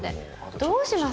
どうします？